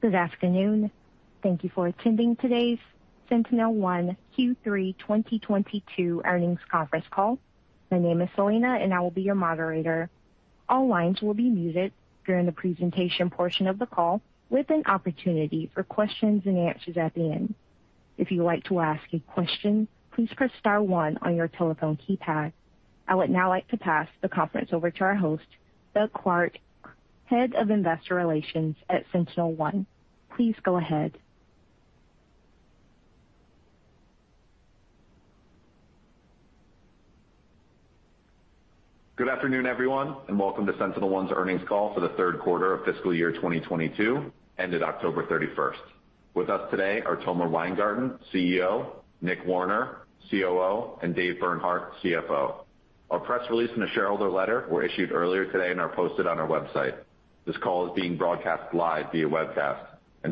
Good afternoon. Thank you for attending today's SentinelOne Q3 2022 earnings conference call. My name is Selena and I will be your moderator. All lines will be muted during the presentation portion of the call, with an opportunity for questions and answers at the end. If you would like to ask a question, please press star one on your telephone keypad. I would now like to pass the conference over to our host, Doug Clark, Head of Investor Relations at SentinelOne. Please go ahead. Good afternoon everyone and welcome to SentinelOne's earnings call for the Q3 of fiscal year 2022, ended October 31. With us today are Tomer Weingarten, CEO, Nick Warner, COO, and Dave Bernhardt, CFO. Our press release and a shareholder letter were issued earlier today and are posted on our website. This call is being broadcast live via webcast.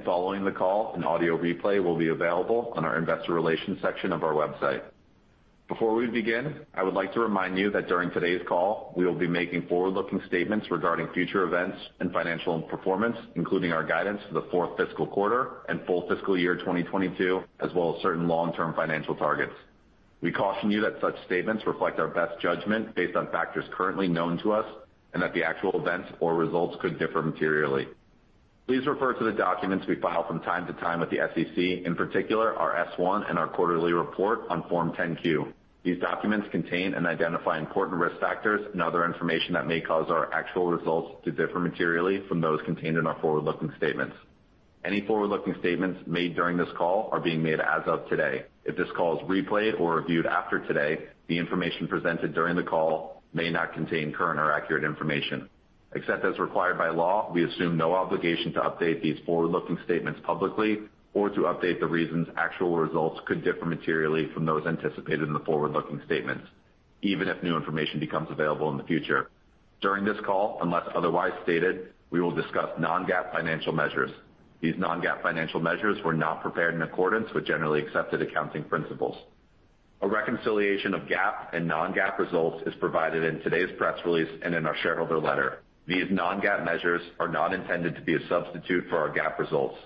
Following the call, an audio replay will be available on our investor relations section of our website. Before we begin, I would like to remind you that during today's call, we will be making forward-looking statements regarding future events and financial performance, including our guidance for the fourth fiscal quarter and full fiscal year 2022, as well as certain long-term financial targets. We caution you that such statements reflect our best judgment based on factors currently known to us, and that the actual events or results could differ materially. Please refer to the documents we file from time to time with the SEC, in particular our S-1 and our quarterly report on Form 10-Q. These documents contain and identify important risk factors and other information that may cause our actual results to differ materially from those contained in our forward-looking statements. Any forward-looking statements made during this call are being made as of today. If this call is replayed or reviewed after today, the information presented during the call may not contain current or accurate information. Except as required by law, we assume no obligation to update these forward-looking statements publicly or to update the reasons actual results could differ materially from those anticipated in the forward-looking statements, even if new information becomes available in the future. During this call, unless otherwise stated, we will discuss non-GAAP financial measures. These non-GAAP financial measures were not prepared in accordance with generally accepted accounting principles. A reconciliation of GAAP and non-GAAP results is provided in today's press release and in our shareholder letter. These non-GAAP measures are not intended to be a substitute for our GAAP results.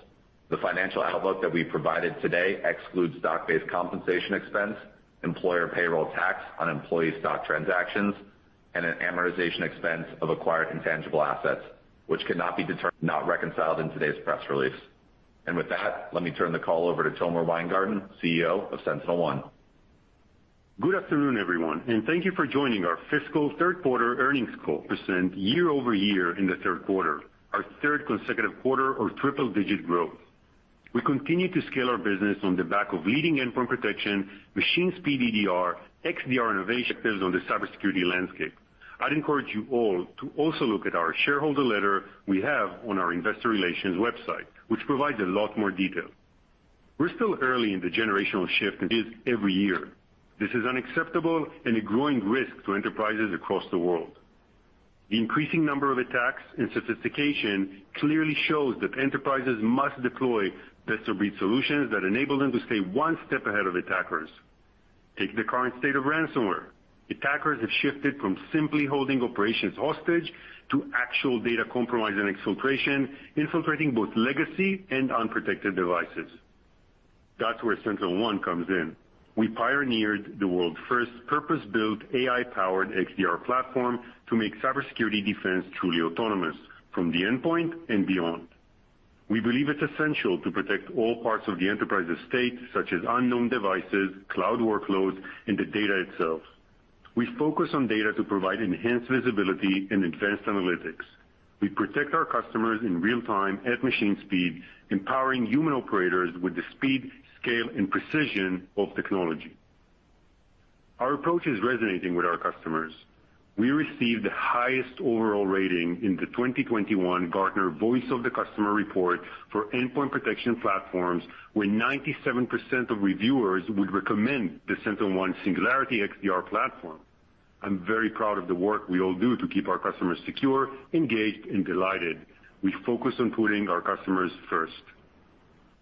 The financial outlook that we provided today excludes stock-based compensation expense, employer payroll tax on employee stock transactions, and an amortization expense of acquired intangible assets, which could not be determined or reconciled in today's press release. With that, let me turn the call over to Tomer Weingarten, CEO of SentinelOne. Good afternoon, everyone, and thank you for joining our fiscal Q3 earnings call. Percent year-over-year in the Q3, our third consecutive quarter of triple-digit growth. We continue to scale our business on the back of leading endpoint protection, machine speed EDR, XDR innovation on the cybersecurity landscape. I'd encourage you all to also look at our shareholder letter we have on our investor relations website, which provides a lot more detail. We're still early in the generational shift every year this is unacceptable and a growing risk to enterprises across the world. The increasing number of attacks and sophistication clearly shows that enterprises must deploy best-of-breed solutions that enable them to stay one step ahead of attackers. Take the current state of ransomware. Attackers have shifted from simply holding operations hostage to actual data compromise and exfiltration, infiltrating both legacy and unprotected devices. That's where SentinelOne comes in. We pioneered the world's first purpose-built AI-powered XDR platform to make cybersecurity defense truly autonomous from the endpoint and beyond. We believe it's essential to protect all parts of the enterprise estate, such as unknown devices, cloud workloads, and the data itself. We focus on data to provide enhanced visibility and advanced analytics. We protect our customers in real time at machine speed, empowering human operators with the speed, scale, and precision of technology. Our approach is resonating with our customers. We received the highest overall rating in the 2021 Gartner Voice of the Customer report for endpoint protection platforms, where 97% of reviewers would recommend the SentinelOne Singularity XDR platform. I'm very proud of the work we all do to keep our customers secure, engaged, and delighted. We focus on putting our customers first.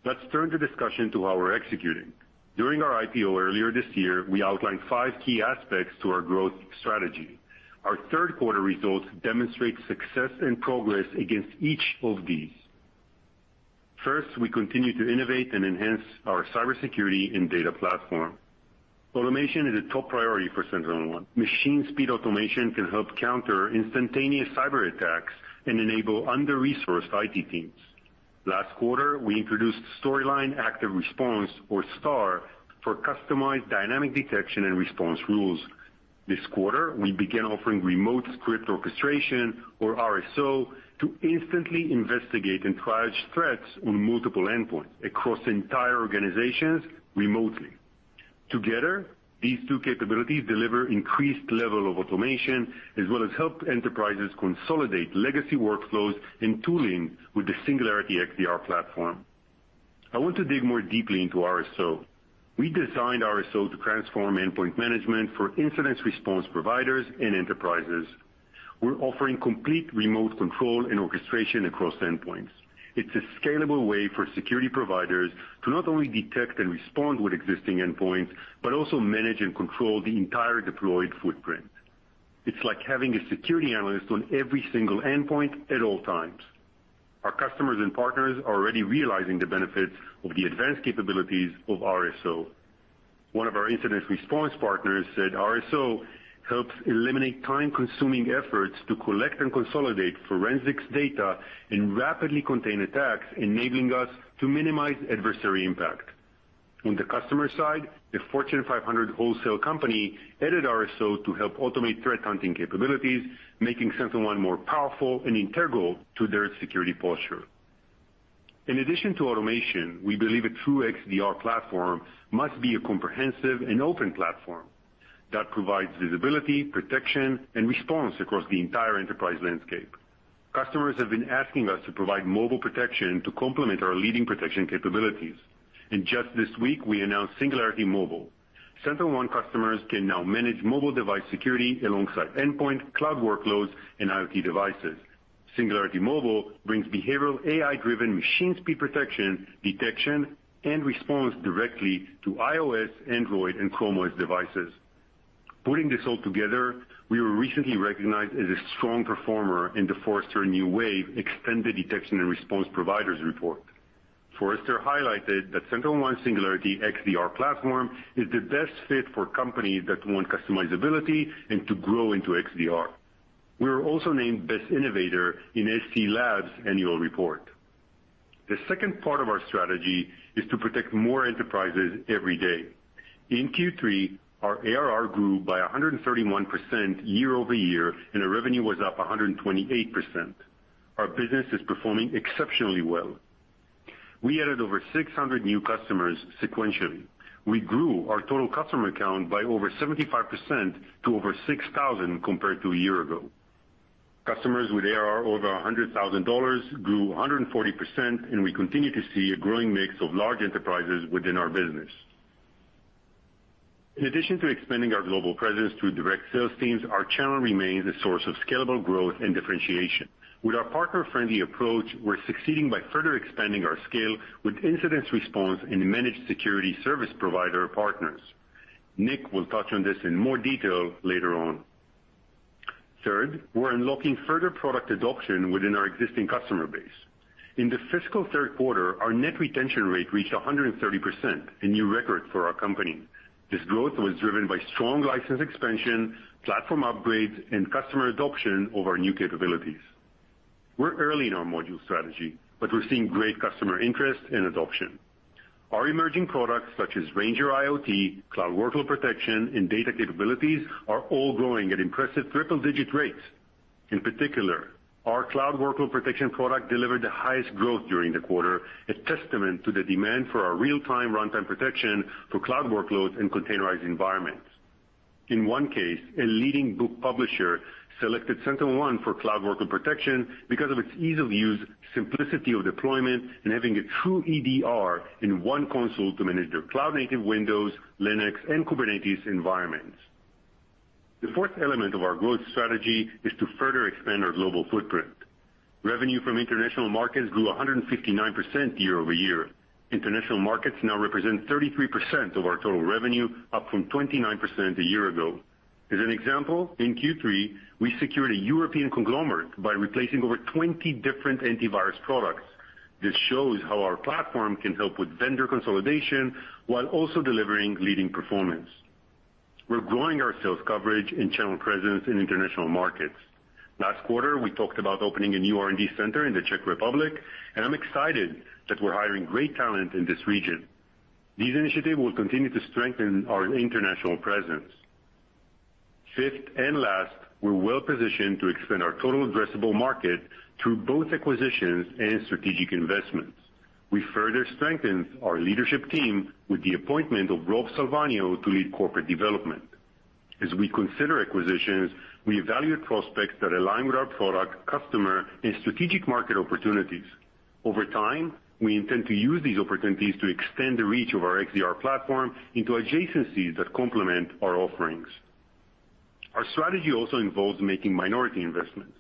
Let's turn the discussion to how we're executing. During our IPO earlier this year, we outlined five key aspects to our growth strategy. Our Q3 results demonstrate success and progress against each of these. First, we continue to innovate and enhance our cybersecurity and data platform. Automation is a top priority for SentinelOne. Machine speed automation can help counter instantaneous cyberattacks and enable under-resourced IT teams. Last quarter, we introduced Storyline Active Response, or STAR, for customized dynamic detection and response rules. This quarter, we began offering Remote Script Orchestration or RSO, to instantly investigate and triage threats on multiple endpoints across entire organizations remotely. Together, these two capabilities deliver increased level of automation as well as help enterprises consolidate legacy workflows and tooling with the Singularity XDR platform. I want to dig more deeply into RSO. We designed RSO to transform endpoint management for incident response providers and enterprises. We're offering complete remote control and orchestration across endpoints. It's a scalable way for security providers to not only detect and respond with existing endpoints, but also manage and control the entire deployed footprint. It's like having a security analyst on every single endpoint at all times. Our customers and partners are already realizing the benefits of the advanced capabilities of RSO. One of our incident response partners said RSO helps eliminate time-consuming efforts to collect and consolidate forensics data and rapidly contain attacks, enabling us to minimize adversary impact. On the customer side, a Fortune 500 wholesale company added RSO to help automate threat hunting capabilities, making SentinelOne more powerful and integral to their security posture. In addition to automation, we believe a true XDR platform must be a comprehensive and open platform that provides visibility, protection, and response across the entire enterprise landscape. Customers have been asking us to provide mobile protection to complement our leading protection capabilities. Just this week, we announced Singularity Mobile. SentinelOne customers can now manage mobile device security alongside endpoint, cloud workloads, and IoT devices. Singularity Mobile brings behavioral AI-driven machine speed protection, detection, and response directly to iOS, Android, and Chrome OS devices. Putting this all together, we were recently recognized as a strong performer in the Forrester New Wave Extended Detection and Response Providers Report. Forrester highlighted that SentinelOne Singularity XDR platform is the best fit for companies that want customizability and to grow into XDR. We were also named best innovator in SE Labs annual report. The second part of our strategy is to protect more enterprises every day. In Q3, our ARR grew by 131% year-over-year, and our revenue was up 128%. Our business is performing exceptionally well. We added over 600 new customers sequentially. We grew our total customer count by over 75% to over 6,000 compared to a year ago. Customers with ARR over $100,000 grew 140%, and we continue to see a growing mix of large enterprises within our business. In addition to expanding our global presence through direct sales teams, our channel remains a source of scalable growth and differentiation. With our partner-friendly approach, we're succeeding by further expanding our scale with incident response and managed security service provider partners. Nick will touch on this in more detail later on. Third, we're unlocking further product adoption within our existing customer base. In the fiscal Q3, our net retention rate reached 130%, a new record for our company. This growth was driven by strong license expansion, platform upgrades, and customer adoption of our new capabilities. We're early in our module strategy, but we're seeing great customer interest and adoption. Our emerging products such as Ranger IoT, Cloud Workload Protection, and data capabilities are all growing at impressive triple-digit rates. In particular, our cloud workload protection product delivered the highest growth during the quarter, a testament to the demand for our real-time runtime protection for cloud workloads and containerized environments. In one case, a leading book publisher selected SentinelOne for cloud workload protection because of its ease of use, simplicity of deployment, and having a true EDR in one console to manage their cloud-native Windows, Linux, and Kubernetes environments. The fourth element of our growth strategy is to further expand our global footprint. Revenue from international markets grew 159% year-over-year. International markets now represent 33% of our total revenue, up from 29% a year ago. As an example, in Q3, we secured a European conglomerate by replacing over 20 different antivirus products. This shows how our platform can help with vendor consolidation while also delivering leading performance. We're growing our sales coverage and channel presence in international markets. Last quarter, we talked about opening a new R&D center in the Czech Republic, and I'm excited that we're hiring great talent in this region. These initiatives will continue to strengthen our international presence. Fifth and last, we're well positioned to extend our total addressable market through both acquisitions and strategic investments. We further strengthened our leadership team with the appointment of Rob Salvagno to lead corporate development. As we consider acquisitions, we evaluate prospects that align with our product, customer, and strategic market opportunities. Over time, we intend to use these opportunities to extend the reach of our XDR platform into adjacencies that complement our offerings. Our strategy also involves making minority investments.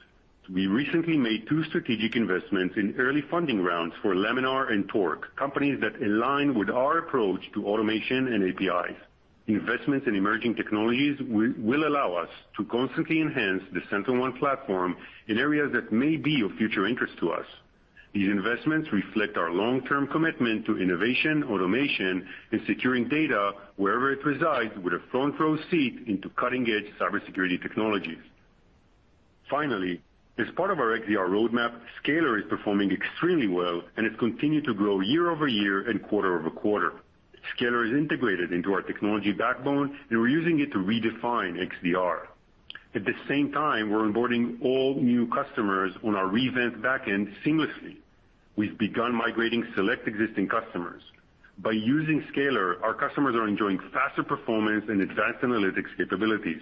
We recently made two strategic investments in early funding rounds for Laminar and Torq, companies that align with our approach to automation and APIs. Investments in emerging technologies will allow us to constantly enhance the SentinelOne platform in areas that may be of future interest to us. These investments reflect our long-term commitment to innovation, automation, and securing data wherever it resides with a front-row seat into cutting-edge cybersecurity technologies. Finally, as part of our XDR roadmap, Scalyr is performing extremely well, and it's continued to grow year-over-year and quarter-over-quarter. Scalyr is integrated into our technology backbone, and we're using it to redefine XDR. At the same time, we're onboarding all new customers on our revamped backend seamlessly. We've begun migrating select existing customers. By using Scalyr, our customers are enjoying faster performance and advanced analytics capabilities.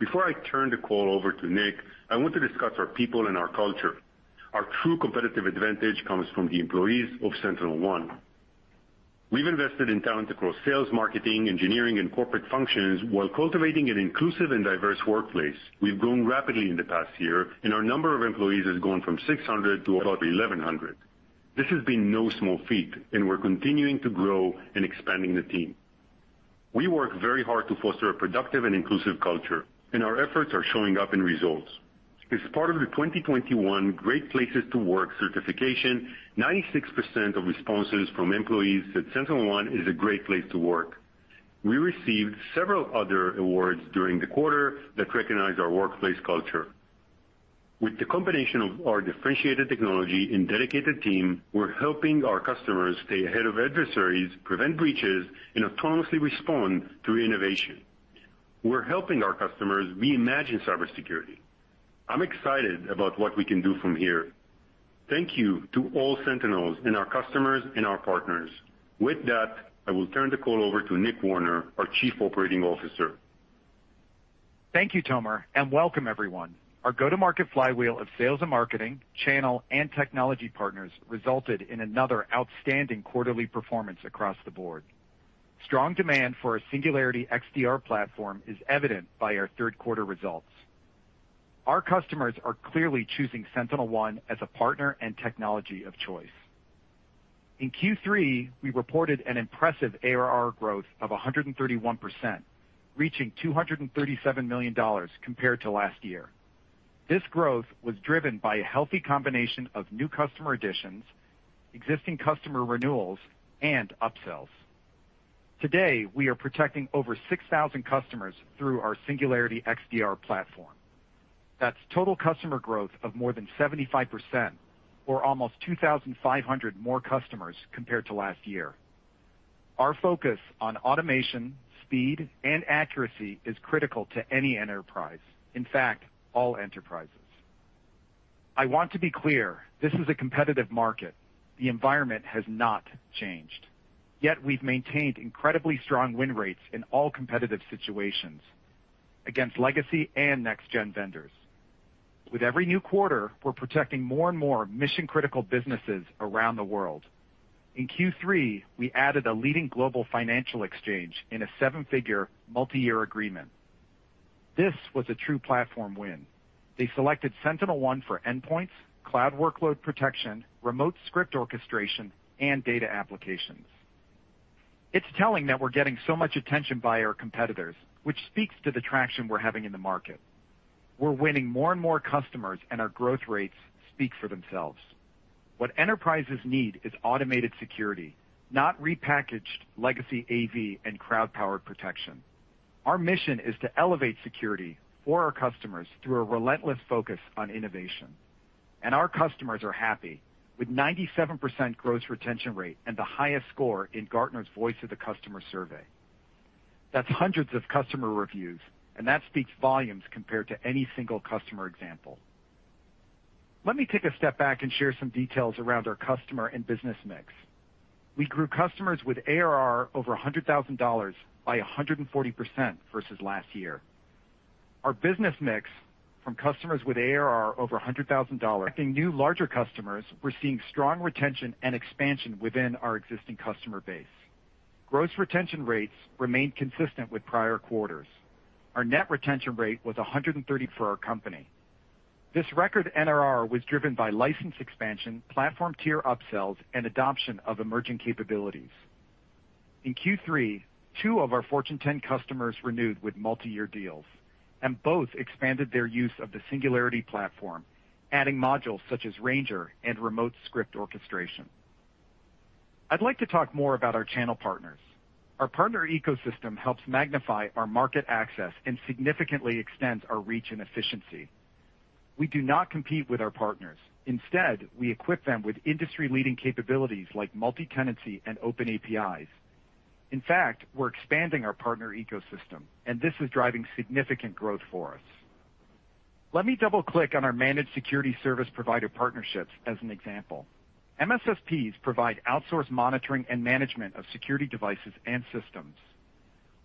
Before I turn the call over to Nick, I want to discuss our people and our culture. Our true competitive advantage comes from the employees of SentinelOne. We've invested in talent across sales, marketing, engineering, and corporate functions while cultivating an inclusive and diverse workplace. We've grown rapidly in the past year, and our number of employees has gone from 600 to about 1,100. This has been no small feat, and we're continuing to grow and expanding the team. We work very hard to foster a productive and inclusive culture, and our efforts are showing up in results. As part of the 2021 Great Place To Work certification, 96% of responses from employees said SentinelOne is a great place to work. We received several other awards during the quarter that recognize our workplace culture. With the combination of our differentiated technology and dedicated team, we're helping our customers stay ahead of adversaries, prevent breaches, and autonomously respond through innovation. We're helping our customers reimagine cybersecurity. I'm excited about what we can do from here. Thank you to all Sentinels and our customers and our partners. With that, I will turn the call over to Nick Warner, our Chief Operating Officer. Thank you, Tomer, and welcome everyone. Our go-to-market flywheel of sales and marketing, channel, and technology partners resulted in another outstanding quarterly performance across the board. Strong demand for our Singularity XDR platform is evident by our Q3 results. Our customers are clearly choosing SentinelOne as a partner and technology of choice. In Q3, we reported an impressive ARR growth of 131%, reaching $237 million compared to last year. This growth was driven by a healthy combination of new customer additions, existing customer renewals, and upsells. Today, we are protecting over 6,000 customers through our Singularity XDR platform. That's total customer growth of more than 75%, or almost 2,500 more customers compared to last year. Our focus on automation, speed, and accuracy is critical to any enterprise. In fact, all enterprises. I want to be clear, this is a competitive market. The environment has not changed. Yet we've maintained incredibly strong win rates in all competitive situations against legacy and next-gen vendors. With every new quarter, we're protecting more and more mission-critical businesses around the world. In Q3, we added a leading global financial exchange in a seven-figure multi-year agreement. This was a true platform win. They selected SentinelOne for endpoints, cloud workload protection, remote script orchestration, and data applications. It's telling that we're getting so much attention by our competitors, which speaks to the traction we're having in the market. We're winning more and more customers, and our growth rates speak for themselves. What enterprises need is automated security, not repackaged legacy AV and crowd-powered protection. Our mission is to elevate security for our customers through a relentless focus on innovation. Our customers are happy with 97% gross retention rate and the highest score in Gartner's Voice of the Customer survey. That's hundreds of customer reviews, and that speaks volumes compared to any single customer example. Let me take a step back and share some details around our customer and business mix. We grew customers with ARR over $100,000 by 140% versus last year. Our business mix from customers with ARR over $100,000 in new larger customers, we're seeing strong retention and expansion within our existing customer base. Gross retention rates remain consistent with prior quarters. Our net retention rate was 130 for our company. This record NRR was driven by license expansion, platform tier upsells, and adoption of emerging capabilities. In Q3, two of our Fortune 10 customers renewed with multi-year deals, and both expanded their use of the Singularity platform, adding modules such as Ranger and Remote Script Orchestration. I'd like to talk more about our channel partners. Our partner ecosystem helps magnify our market access and significantly extends our reach and efficiency. We do not compete with our partners. Instead, we equip them with industry-leading capabilities like multi-tenancy and open APIs. In fact, we're expanding our partner ecosystem, and this is driving significant growth for us. Let me double-click on our managed security service provider partnerships as an example. MSSPs provide outsourced monitoring and management of security devices and systems.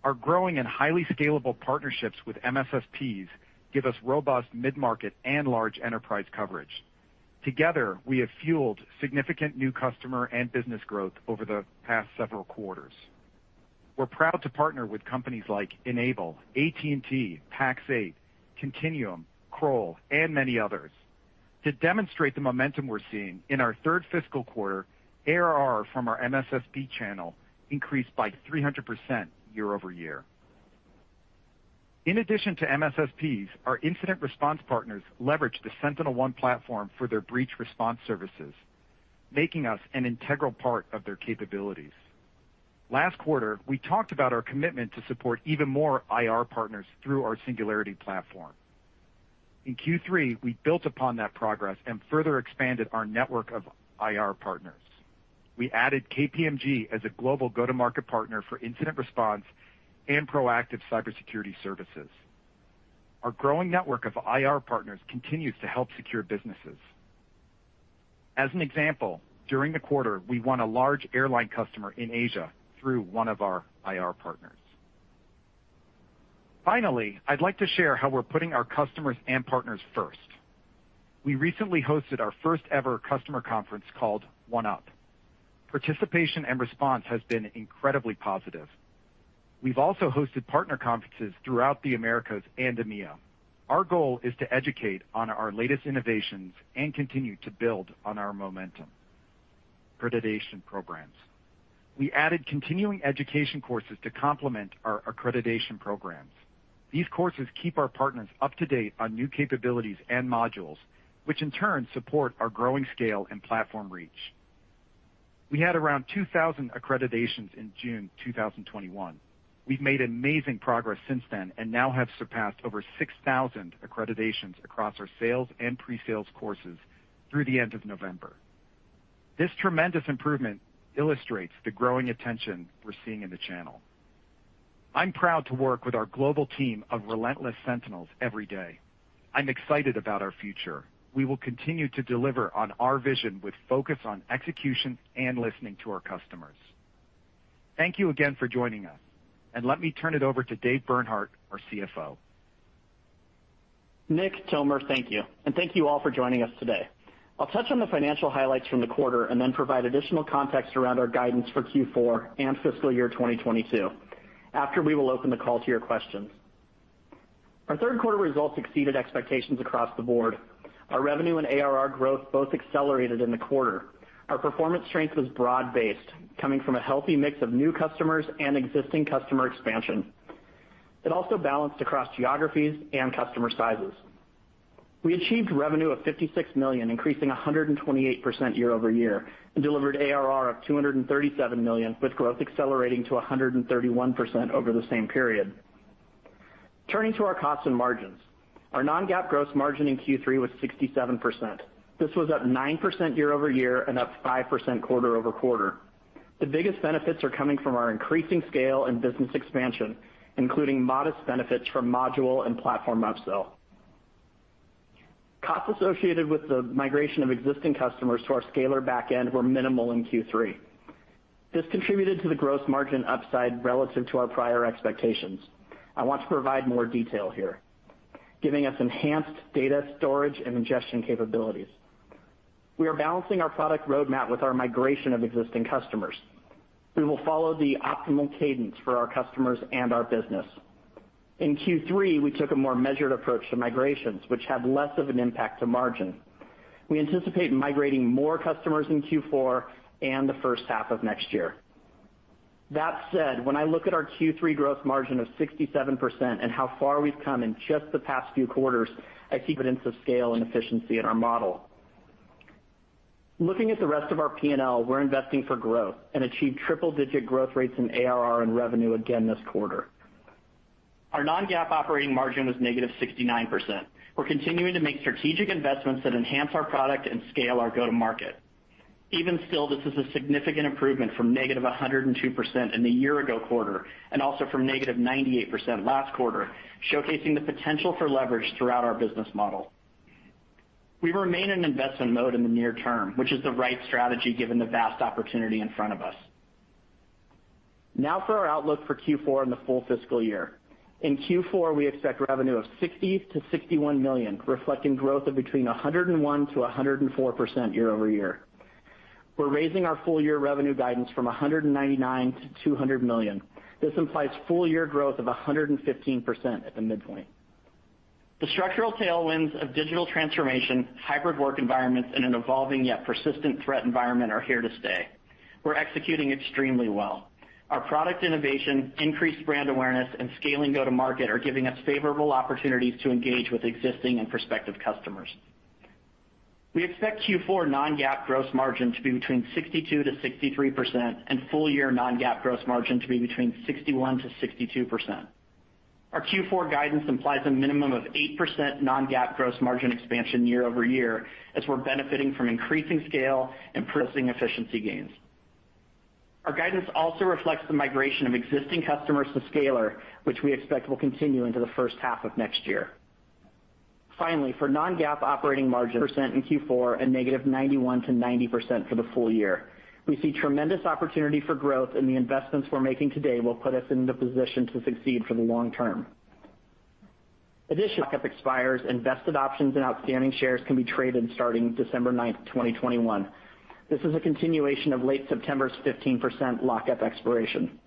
Our growing and highly scalable partnerships with MSSPs give us robust mid-market and large enterprise coverage. Together, we have fueled significant new customer and business growth over the past several quarters. We're proud to partner with companies like N-able, AT&T, Pax8, Continuum, Kroll, and many others. To demonstrate the momentum we're seeing in our third fiscal quarter, ARR from our MSSP channel increased by 300% year-over-year. In addition to MSSPs, our incident response partners leverage the SentinelOne platform for their breach response services, making us an integral part of their capabilities. Last quarter, we talked about our commitment to support even more IR partners through our Singularity platform. In Q3, we built upon that progress and further expanded our network of IR partners. We added KPMG as a global go-to-market partner for incident response and proactive cybersecurity services. Our growing network of IR partners continues to help secure businesses. As an example, during the quarter, we won a large airline customer in Asia through one of our IR partners. Finally, I'd like to share how we're putting our customers and partners first. We recently hosted our first-ever customer conference called OneCon. Participation and response has been incredibly positive. We've also hosted partner conferences throughout the Americas and EMEA. Our goal is to educate on our latest innovations and continue to build on our momentum. Accreditation programs. We added continuing education courses to complement our accreditation programs. These courses keep our partners up to date on new capabilities and modules, which in turn support our growing scale and platform reach. We had around 2,000 accreditations in June 2021. We've made amazing progress since then and now have surpassed over 6,000 accreditations across our sales and pre-sales courses through the end of November. This tremendous improvement illustrates the growing attention we're seeing in the channel. I'm proud to work with our global team of relentless sentinels every day. I'm excited about our future. We will continue to deliver on our vision with focus on execution and listening to our customers. Thank you again for joining us, and let me turn it over to Dave Bernhardt, our CFO. Nick, Tomer, thank you. Thank you all for joining us today. I'll touch on the financial highlights from the quarter and then provide additional context around our guidance for Q4 and fiscal year 2022. After, we will open the call to your questions. Our Q3 results exceeded expectations across the board. Our revenue and ARR growth both accelerated in the quarter. Our performance strength was broad-based, coming from a healthy mix of new customers and existing customer expansion. It also balanced across geographies and customer sizes. We achieved revenue of $56 million, increasing 128% year-over-year. Delivered ARR of $237 million, with growth accelerating to 131% over the same period. Turning to our costs and margins. Our non-GAAP gross margin in Q3 was 67%. This was up 9% year-over-year and up 5% quarter-over-quarter. The biggest benefits are coming from our increasing scale and business expansion, including modest benefits from module and platform upsell. Costs associated with the migration of existing customers to our Scalyr backend were minimal in Q3. This contributed to the gross margin upside relative to our prior expectations. I want to provide more detail here, giving us enhanced data storage and ingestion capabilities. We are balancing our product roadmap with our migration of existing customers. We will follow the optimal cadence for our customers and our business. In Q3, we took a more measured approach to migrations which have less of an impact to margin. We anticipate migrating more customers in Q4 and the H1 of next year. That said, when I look at our Q3 growth margin of 67% and how far we've come in just the past few quarters, I see evidence of scale and efficiency in our model. Looking at the rest of our P&L, we're investing for growth and achieved triple-digit growth rates in ARR and revenue again this quarter. Our non-GAAP operating margin was negative 69%. We're continuing to make strategic investments that enhance our product and scale our go-to-market. Even still, this is a significant improvement from negative 102% in the year ago quarter and also from negative 98% last quarter, showcasing the potential for leverage throughout our business model. We remain in investment mode in the near term, which is the right strategy given the vast opportunity in front of us. Now for our outlook for Q4 and the full fiscal year. In Q4, we expect revenue of $60 million-$61 million, reflecting growth of between 101% and 104% year-over-year. We're raising our full-year revenue guidance from $199 million-$200 million. This implies full-year growth of 115% at the midpoint. The structural tailwinds of digital transformation, hybrid work environments, and an evolving yet persistent threat environment are here to stay. We're executing extremely well. Our product innovation, increased brand awareness, and scaling go-to-market are giving us favorable opportunities to engage with existing and prospective customers. We expect Q4 non-GAAP gross margin to be between 62% and 63% and full-year non-GAAP gross margin to be between 61% and 62%. Our Q4 guidance implies a minimum of 8% non-GAAP gross margin expansion year-over-year as we're benefiting from increasing scale and pricing efficiency gains. Our guidance also reflects the migration of existing customers to Scalyr, which we expect will continue into the H1 of next year. Finally, for non-GAAP operating margin percent in Q4 and -91% to -90% for the full year. We see tremendous opportunity for growth, and the investments we're making today will put us in the position to succeed for the long term. Lock-up expires, and vested options and outstanding shares can be traded starting December 9, 2021. This is a continuation of late September's 15% lock-up expiration.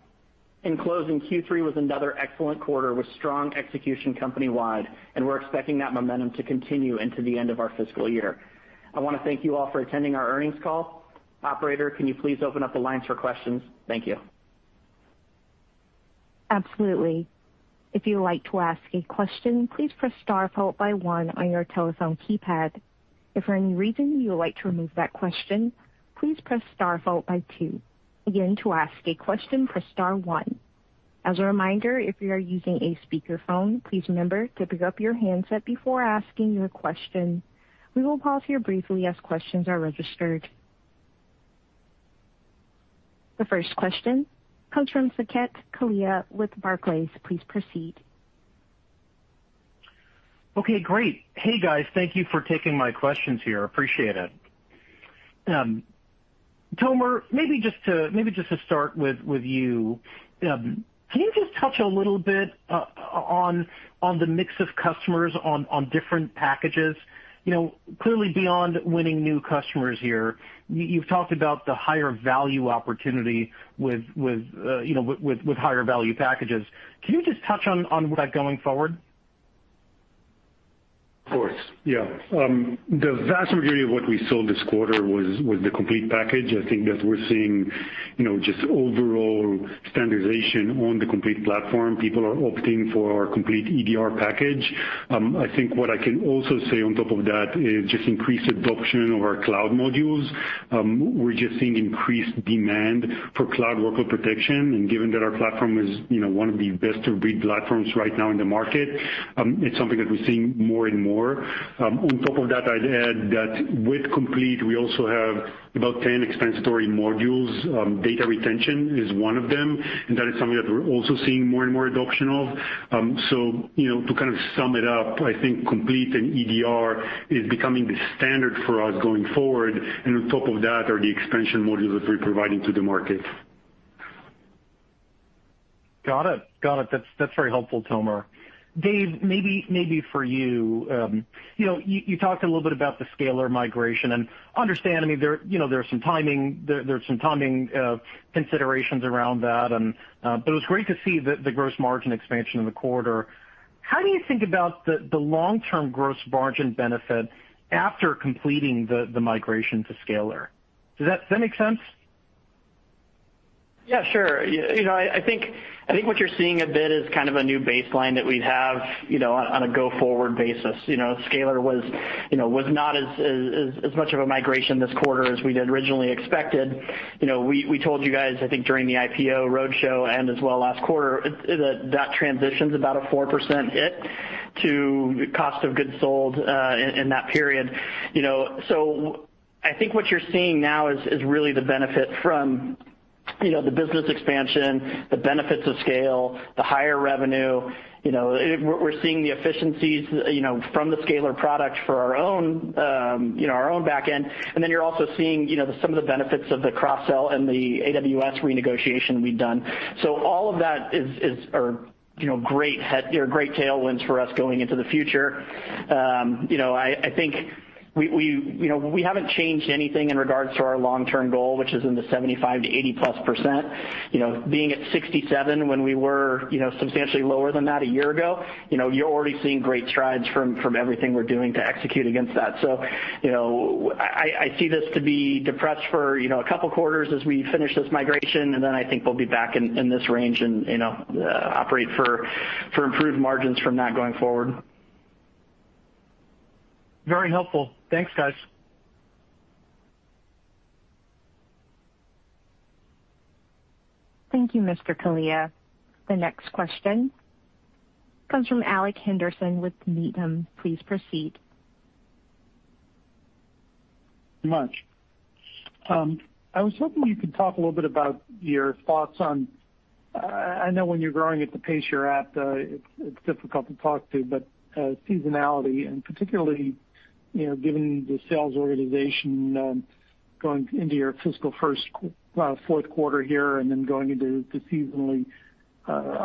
In closing, Q3 was another excellent quarter with strong execution company-wide, and we're expecting that momentum to continue into the end of our fiscal year. I wanna thank you all for attending our earnings call. Operator, can you please open up the lines for questions? Thank you. Absolutely. If you would like to ask a question, please press star followed by one on your telephone keypad. If for any reason you would like to remove that question, please press star followed by two. Again, to ask a question, press star one. As a reminder, if you are using a speakerphone, please remember to pick up your handset before asking your question. We will pause here briefly as questions are registered. The first question comes from Saket Kalia with Barclays. Please proceed. Okay, great. Hey guys, thank you for taking my questions here. Appreciate it. Tomer, maybe just to start with you. Can you just touch a little bit on the mix of customers on different packages? You know, clearly beyond winning new customers here, you've talked about the higher value opportunity with, you know, with higher value packages. Can you just touch on that going forward? Of course, yeah. The vast majority of what we sold this quarter was the Complete package. I think that we're seeing, you know, just overall standardization on the Complete platform. People are opting for our Complete EDR package. I think what I can also say on top of that is just increased adoption of our cloud modules. We're just seeing increased demand for Cloud Workload Protection, and given that our platform is, you know, one of the best-of-breed platforms right now in the market, it's something that we're seeing more and more. On top of that, I'd add that with Complete, we also have about 10 expansion story modules. Data retention is one of them, and that is something that we're also seeing more and more adoption of. You know, to kind of sum it up, I think Complete and EDR is becoming the standard for us going forward, and on top of that are the expansion modules that we're providing to the market. Got it. That's very helpful Tomer. Dave, maybe for you. You know, you talked a little bit about the Scalyr migration and I understand, I mean, there are some timing considerations around that, but it was great to see the gross margin expansion in the quarter. How do you think about the long-term gross margin benefit after completing the migration to Scalyr? Does that make sense? Yeah, sure. You know, I think what you're seeing a bit is kind of a new baseline that we have, you know, on a go-forward basis. You know, Scalyr was not as much of a migration this quarter as we had originally expected. You know, we told you guys, I think during the IPO roadshow and as well last quarter, that transition's about a 4% hit to cost of goods sold in that period. You know, so I think what you're seeing now is really the benefit from, you know, the business expansion, the benefits of scale, the higher revenue. You know, we're seeing the efficiencies, you know, from the Scalyr product for our own, you know, our own back end. Then you're also seeing, you know, some of the benefits of the cross-sell and the AWS renegotiation we've done. All of that are, you know, great headwinds or great tailwinds for us going into the future. You know, I think we, you know, we haven't changed anything in regards to our long-term goal, which is in the 75%-80%+. You know, being at 67% when we were, you know, substantially lower than that a year ago, you know, you're already seeing great strides from everything we're doing to execute against that. You know, I see this to be depressed for, you know, a couple quarters as we finish this migration, and then I think we'll be back in this range and, you know, operate for improved margins from that going forward. Very helpful. Thanks, guys. Thank you, Mr. Kalia. The next question comes from Alex Henderson with Needham. Please proceed. I was hoping you could talk a little bit about your thoughts on, I know when you're growing at the pace you're at, it's difficult to talk about, but seasonality, and particularly, you know, given the sales organization, going into your fiscal Q4 here and then going into the seasonally weaker,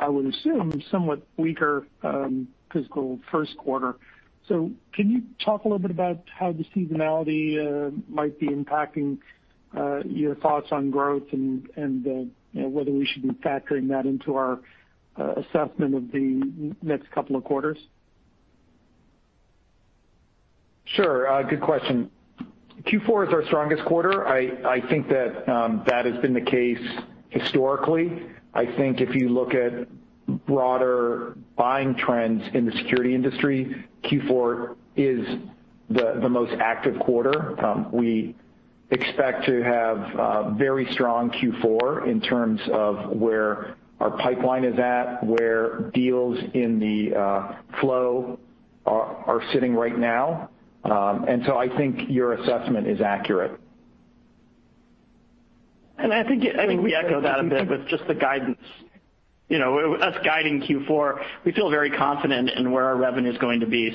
I would assume, fiscal Q1. Can you talk a little bit about how the seasonality might be impacting your thoughts on growth and, you know, whether we should be factoring that into our assessment of the next couple of quarters? Sure. Good question. Q4 is our strongest quarter. I think that has been the case historically. I think if you look at broader buying trends in the security industry, Q4 is the most active quarter. We expect to have a very strong Q4 in terms of where our pipeline is at, where deals in the flow are sitting right now. I think your assessment is accurate. I think we echo that a bit with just the guidance. You know, we're guiding Q4, we feel very confident in where our revenue's going to be.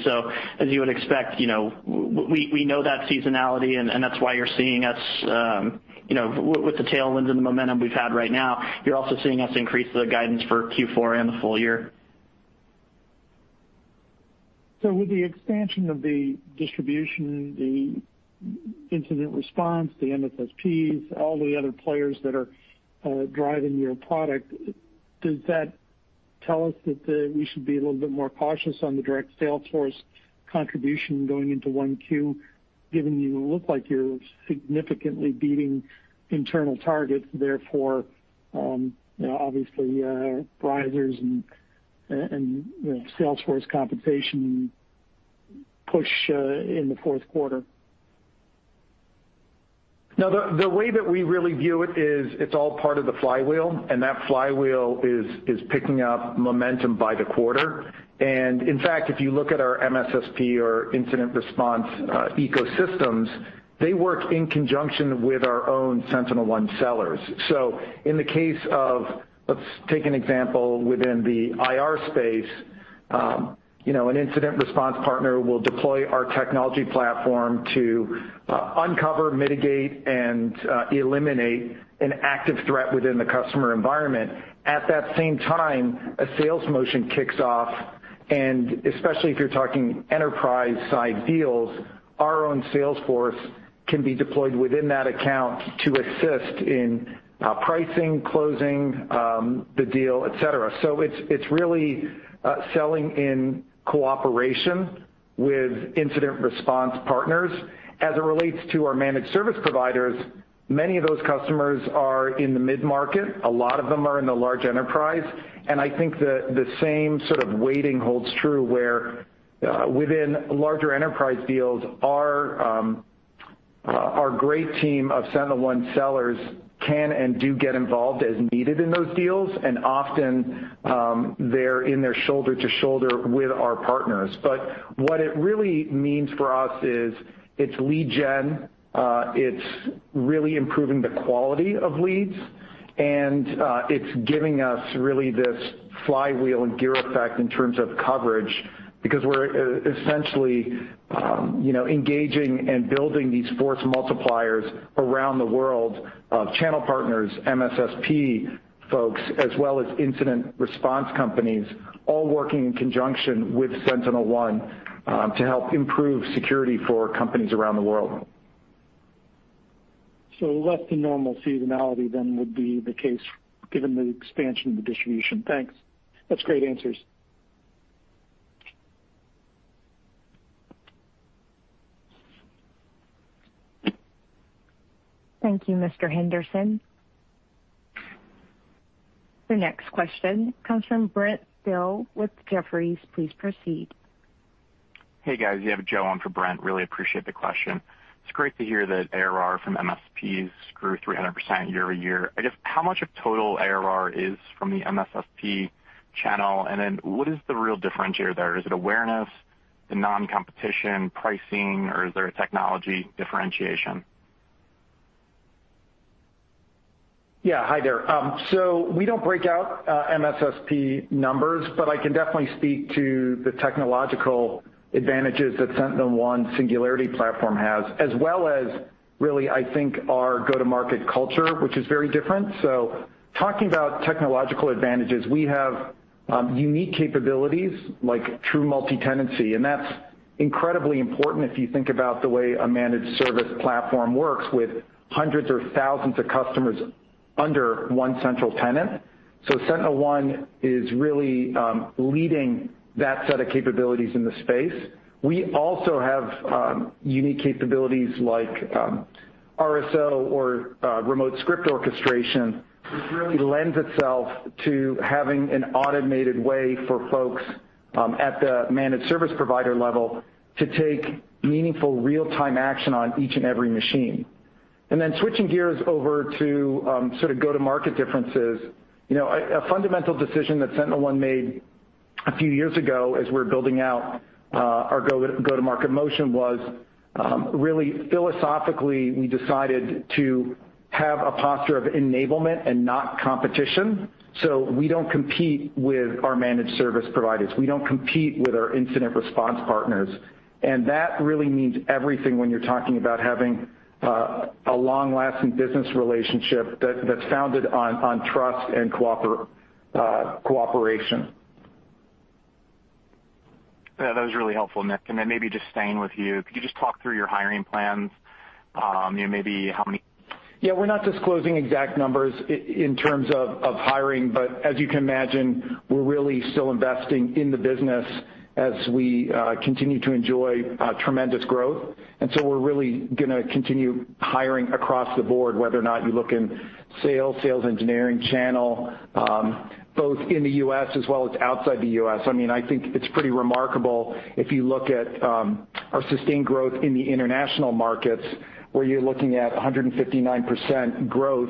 As you would expect, you know, we know that seasonality and that's why you're seeing us, you know, with the tailwinds and the momentum we've had right now, you're also seeing us increase the guidance for Q4 and the full year. With the expansion of the distribution, the incident response, the MSSPs, all the other players that are driving your product, does that tell us that we should be a little bit more cautious on the direct sales force contribution going into 1Q, given you look like you're significantly beating internal targets, therefore, you know, obviously, prizes and you know, sales force compensation push in the Q4? No, the way that we really view it is it's all part of the flywheel, and that flywheel is picking up momentum by the quarter. In fact, if you look at our MSSP or incident response ecosystems, they work in conjunction with our own SentinelOne sellers. In the case of, let's take an example within the IR space. You know, an incident response partner will deploy our technology platform to uncover, mitigate, and eliminate an active threat within the customer environment. At that same time, a sales motion kicks off, and especially if you're talking enterprise-side deals, our own sales force can be deployed within that account to assist in pricing, closing, the deal, et cetera. It's really selling in cooperation with incident response partners. As it relates to our managed service providers, many of those customers are in the mid-market. A lot of them are in the large enterprise. I think the same sort of weighting holds true, where within larger enterprise deals, our great team of SentinelOne sellers can and do get involved as needed in those deals. Often, they're in there shoulder to shoulder with our partners. But what it really means for us is it's lead gen, it's really improving the quality of leads, and it's giving us really this flywheel and gear effect in terms of coverage because we're essentially, you know, engaging and building these force multipliers around the world of channel partners, MSSP folks, as well as incident response companies, all working in conjunction with SentinelOne to help improve security for companies around the world. Less than normal seasonality then would be the case given the expansion of the distribution. Thanks. That's great answers. Thank you, Mr. Henderson. The next question comes from Brent Thill with Jefferies. Please proceed. Hey, guys. You have Joe on for Brent. Really appreciate the question. It's great to hear that ARR from MSPs grew 300% year-over-year. I guess how much of total ARR is from the MSSP channel? And then what is the real differentiator there? Is it awareness, the non-competitive pricing, or is there a technology differentiation? Yeah. Hi there. We don't break out MSSP numbers, but I can definitely speak to the technological advantages that SentinelOne Singularity platform has, as well as really, I think, our go-to-market culture, which is very different. Talking about technological advantages, we have unique capabilities like true multi-tenancy, and that's incredibly important if you think about the way a managed service platform works with hundreds or thousands of customers under one central tenant. SentinelOne is really leading that set of capabilities in the space. We also have unique capabilities like RSO or remote script orchestration, which really lends itself to having an automated way for folks at the managed service provider level to take meaningful real-time action on each and every machine. Then switching gears over to sort of go-to-market differences. You know, a fundamental decision that SentinelOne made a few years ago as we were building out our go-to-market motion was, really philosophically, we decided to have a posture of enablement and not competition. We don't compete with our managed service providers. We don't compete with our incident response partners. That really means everything when you're talking about having a long-lasting business relationship that's founded on trust and cooperation. Yeah, that was really helpful, Nick. Maybe just staying with you, could you just talk through your hiring plans, you know, maybe how many- Yeah. We're not disclosing exact numbers in terms of hiring, but as you can imagine, we're really still investing in the business as we continue to enjoy tremendous growth. We're really gonna continue hiring across the board, whether or not you look in sales engineering, channel, both in the U.S. as well as outside the U.S. I mean, I think it's pretty remarkable if you look at our sustained growth in the international markets, where you're looking at 159% growth.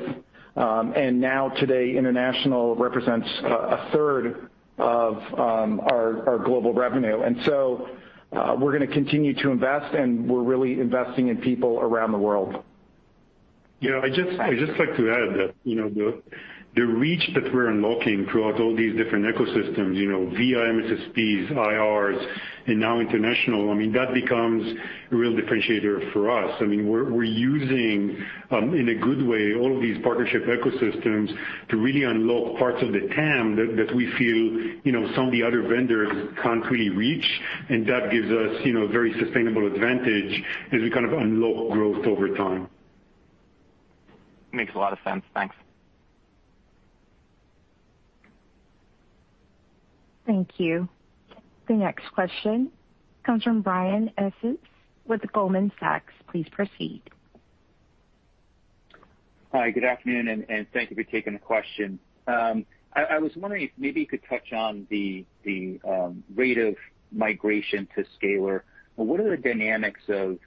Now today, international represents a third of our global revenue. We're gonna continue to invest, and we're really investing in people around the world. Yeah. I'd just like to add that, you know, the reach that we're unlocking throughout all these different ecosystems, you know, via MSSPs, IRs, and now international, I mean, that becomes a real differentiator for us. I mean, we're using, in a good way, all of these partnership ecosystems to really unlock parts of the TAM that we feel, you know, some of the other vendors can't really reach, and that gives us, you know, a very sustainable advantage as we kind of unlock growth over time. Makes a lot of sense. Thanks. Thank you. The next question comes from Brian Essex with Goldman Sachs. Please proceed. Hi, good afternoon, and thank you for taking the question. I was wondering if maybe you could touch on the rate of migration to Scalyr. What are the dynamics of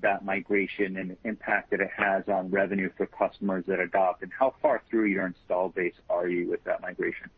that migration and the impact that it has on revenue for customers that adopt, and how far through your install base are you with that migration?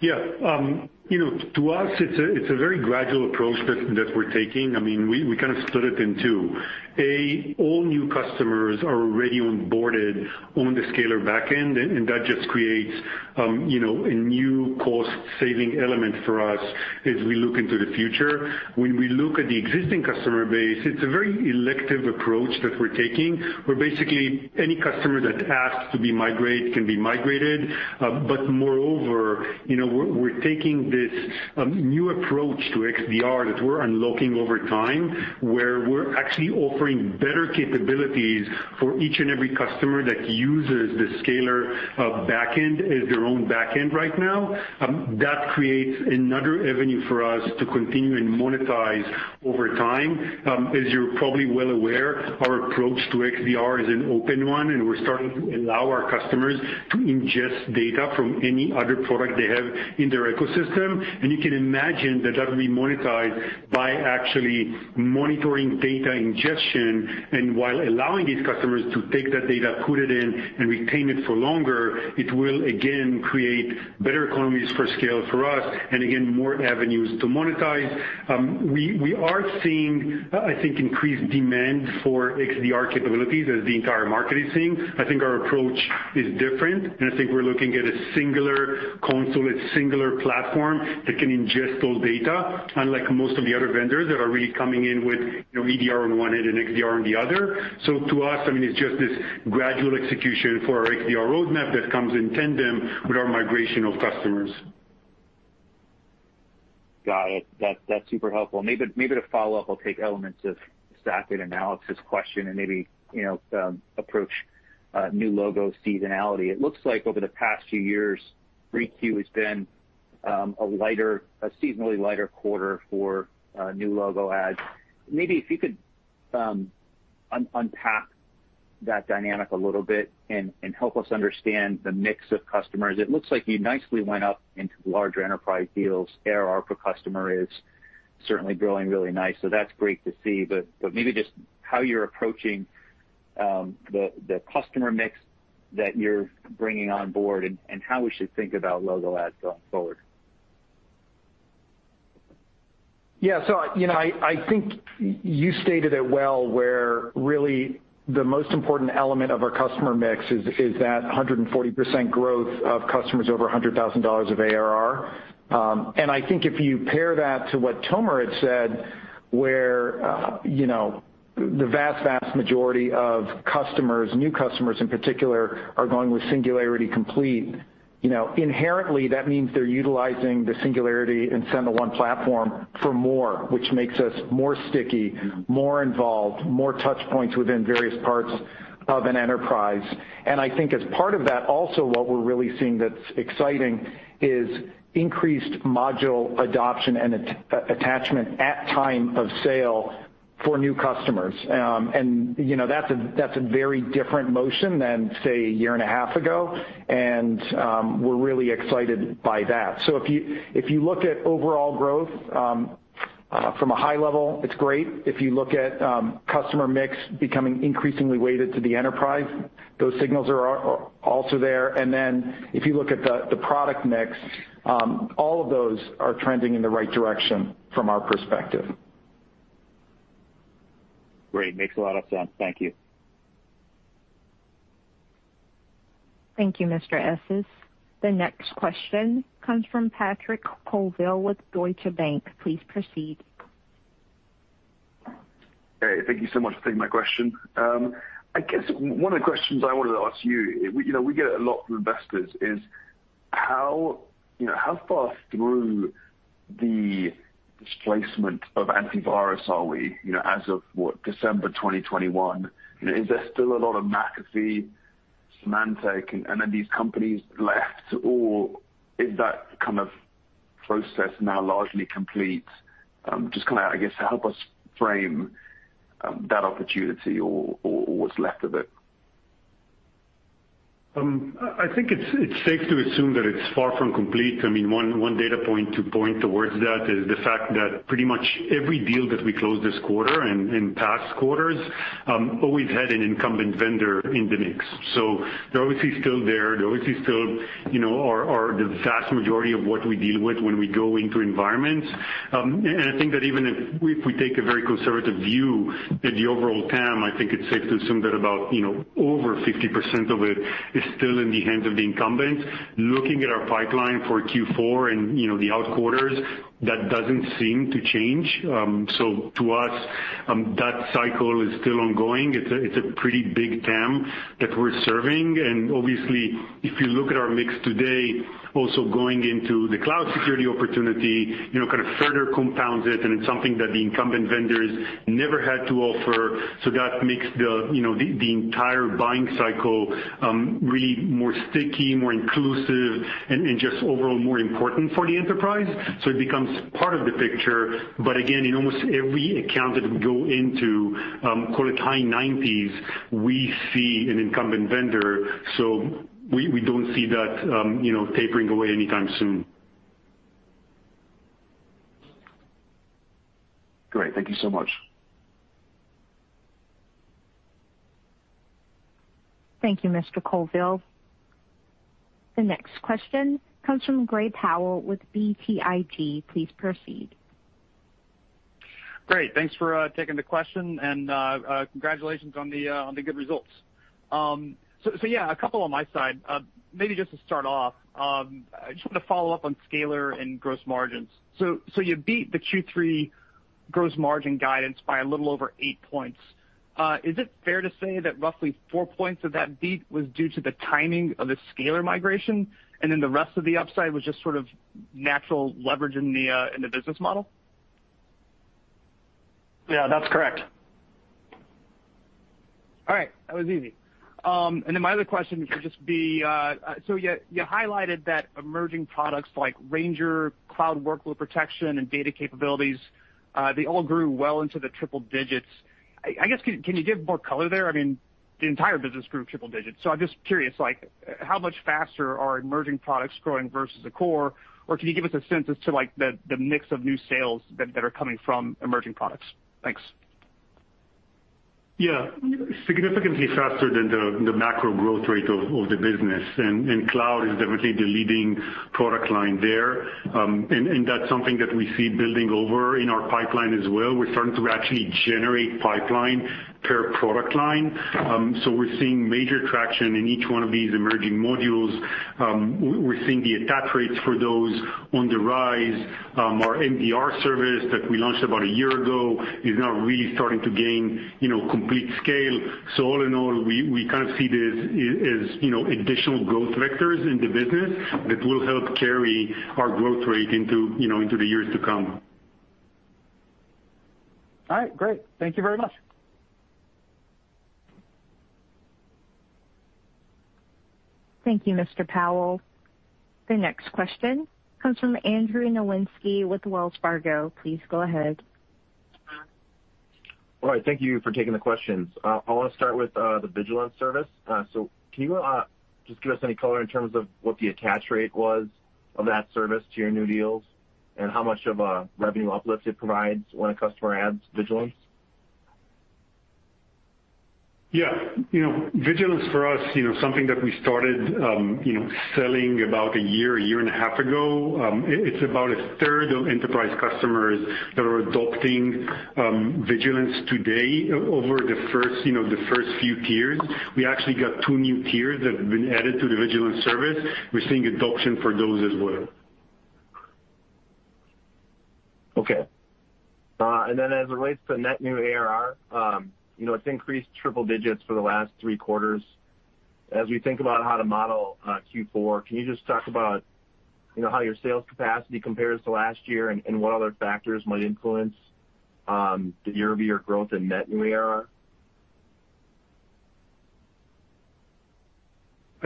Yeah. You know, to us, it's a very gradual approach that we're taking. I mean, we kind of split it in two. All new customers are already onboarded on the Scalyr backend, and that just creates, you know, a new cost-saving element for us as we look into the future. When we look at the existing customer base, it's a very elective approach that we're taking, where basically any customer that asks to be migrated can be migrated. But moreover, you know, we're taking this new approach to XDR that we're unlocking over time, where we're actually offering better capabilities for each and every customer that uses the Scalyr backend as their own backend right now. That creates another avenue for us to continue and monetize over time. As you're probably well aware, our approach to XDR is an open one, and we're starting to allow our customers to ingest data from any other product they have in their ecosystem. You can imagine that that'll be monetized by actually monitoring data ingestion. While allowing these customers to take that data, put it in, and retain it for longer, it will again create better economies of scale for us and again, more avenues to monetize. We are seeing, I think increased demand for XDR capabilities as the entire market is seeing. I think our approach is different, and I think we're looking at a singular console, a singular platform that can ingest all data, unlike most of the other vendors that are really coming in with, you know, EDR on one end and XDR on the other. To us, I mean, it's just this gradual execution for our XDR roadmap that comes in tandem with our migration of customers. Got it. That's super helpful. Maybe to follow up, I'll take elements of Saket and Alex's question and maybe, you know, approach new logo seasonality. It looks like over the past few years, 3Q has been a seasonally lighter quarter for new logo adds. Maybe if you could unpack that dynamic a little bit and help us understand the mix of customers. It looks like you nicely went up into larger enterprise deals. ARR per customer is certainly growing really nice, so that's great to see. But maybe just how you're approaching the customer mix that you're bringing on board and how we should think about logo adds going forward. Yeah. You know, I think you stated it well, where really the most important element of our customer mix is that 140% growth of customers over $100,000 of ARR. I think if you pair that to what Tomer had said, where you know, the vast majority of customers, new customers in particular, are going with Singularity Complete. You know, inherently, that means they're utilizing the Singularity and SentinelOne platform for more, which makes us more sticky, more involved, more touch points within various parts of an enterprise. I think as part of that also what we're really seeing that's exciting is increased module adoption and attachment at time of sale for new customers. You know, that's a very different motion than, say, a year and a half ago, and we're really excited by that. If you look at overall growth from a high level, it's great. If you look at customer mix becoming increasingly weighted to the enterprise, those signals are also there. Then if you look at the product mix, all of those are trending in the right direction from our perspective. Great. Makes a lot of sense. Thank you. Thank you, Mr. Essex. The next question comes from Patrick Colville with Deutsche Bank. Please proceed. Hey, thank you so much for taking my question. I guess one of the questions I wanted to ask you, we, you know, we get it a lot from investors, is how, you know, how far through the displacement of antivirus are we, you know, as of, what, December 2021? You know, is there still a lot of McAfee, Symantec, and then these companies left, or is that kind of process now largely complete? Just kinda, I guess, help us frame that opportunity or what's left of it. I think it's safe to assume that it's far from complete. I mean, one data point to point towards that is the fact that pretty much every deal that we closed this quarter and in past quarters always had an incumbent vendor in the mix. So they're obviously still there. They're obviously still are the vast majority of what we deal with when we go into environments. I think that even if we take a very conservative view at the overall TAM, I think it's safe to assume that about over 50% of it is still in the hands of the incumbents. Looking at our pipeline for Q4 and the out quarters, that doesn't seem to change. To us, that cycle is still ongoing. It's a pretty big TAM that we're serving. Obviously, if you look at our mix today, also going into the cloud security opportunity, kind of further compounds it, and it's something that the incumbent vendors never had to offer. That makes the, you know, the entire buying cycle really more sticky, more inclusive and just overall more important for the enterprise. It becomes part of the picture. Again, in almost every account that we go into, call it high 90s, we see an incumbent vendor. We don't see that, you know, tapering away anytime soon. Thank you so much. Thank you, Mr. Colville. The next question comes from Gray Powell with BTIG. Please proceed. Great. Thanks for taking the question and congratulations on the good results. Yeah, a couple on my side. Maybe just to start off, I just wanna follow up on Scalyr and gross margins. You beat the Q3 gross margin guidance by a little over 8 basis points. Is it fair to say that roughly 4 basis points of that beat was due to the timing of the Scalyr migration, and then the rest of the upside was just sort of natural leverage in the business model? Yeah, that's correct. All right, that was easy. My other question would just be, so you highlighted that emerging products like Ranger, Cloud Workload Protection and data capabilities, they all grew well into the triple digits. I guess, can you give more color there? I mean, the entire business grew triple digits, so I'm just curious, like how much faster are emerging products growing versus the core? Or can you give us a sense as to like the mix of new sales that are coming from emerging products? Thanks. Yeah. Significantly faster than the macro growth rate of the business. Cloud is definitely the leading product line there. That's something that we see building over in our pipeline as well. We're starting to actually generate pipeline per product line. We're seeing major traction in each one of these emerging modules. We're seeing the attach rates for those on the rise. Our MDR service that we launched about a year ago is now really starting to gain, you know, complete scale. All in all, we see this as additional growth vectors in the business that will help carry our growth rate into the years to come. All right, great. Thank you very much. Thank you, Mr. Powell. The next question comes from Andrew Nowinski with Wells Fargo. Please go ahead. All right, thank you for taking the questions. I wanna start with the Vigilance service. Can you just give us any color in terms of what the attach rate was of that service to your new deals, and how much of a revenue uplift it provides when a customer adds Vigilance? Yeah. You know, Vigilance for us, you know, something that we started, you know, selling about a year and a half ago. It's about a third of enterprise customers that are adopting Vigilance today over the first few tiers. We actually got two new tiers that have been added to the Vigilance service. We're seeing adoption for those as well. Okay. As it relates to net new ARR, you know, it's increased triple digits for the last three quarters. As we think about how to model Q4, can you just talk about, you know, how your sales capacity compares to last year and what other factors might influence the year-over-year growth in net new ARR?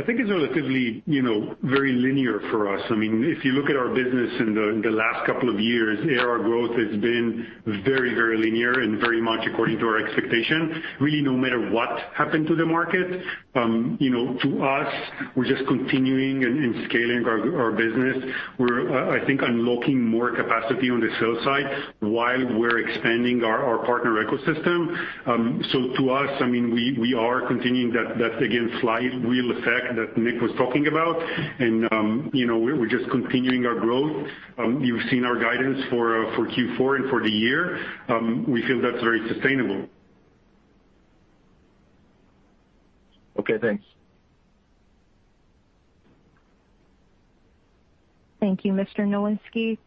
I think it's relatively, you know, very linear for us. I mean, if you look at our business in the last couple of years, ARR growth has been very linear and very much according to our expectation. Really, no matter what happened to the market, you know, to us, we're just continuing and scaling our business. We're, I think, unlocking more capacity on the sales side while we're expanding our partner ecosystem. So to us, I mean, we are continuing that again, slight real effect that Nick was talking about. You know, we're just continuing our growth. You've seen our guidance for Q4 and for the year. We feel that's very sustainable. Okay, thanks. Thank you, Mr. Nowinski.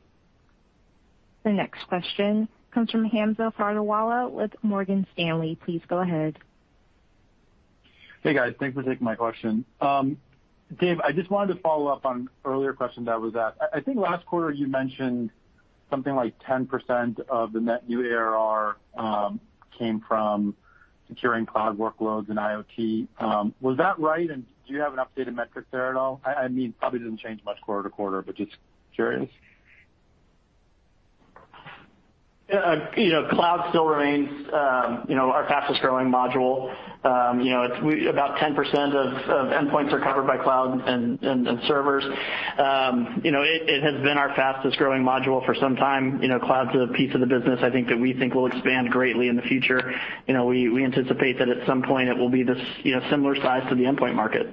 The next question comes from Hamza Fodderwala with Morgan Stanley. Please go ahead. Hey, guys. Thanks for taking my question. Dave, I just wanted to follow up on earlier question that was asked. I think last quarter you mentioned something like 10% of the net new ARR came from securing cloud workloads and IoT. Was that right? And do you have an updated metric there at all? I mean, probably doesn't change much quarter to quarter, but just curious. Cloud still remains our fastest growing module. You know, it's about 10% of endpoints are covered by cloud and servers. You know, it has been our fastest growing module for some time. You know, cloud's a piece of the business I think that we think will expand greatly in the future. You know, we anticipate that at some point it will be, you know, similar size to the endpoint market.